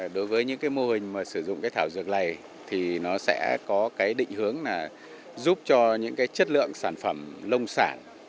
đối với những cái mô hình mà sử dụng cái thảo dược này thì nó sẽ có cái định hướng là giúp cho những cái chất lượng sản phẩm nông sản